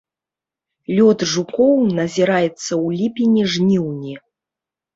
Лёт жукоў назіраецца ў ліпені-жніўні.